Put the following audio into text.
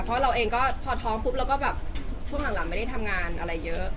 เพราะเราเองก็พอท้องปุ๊บแล้วก็แบบช่วงหลังไม่ได้ทำงานอะไรเยอะ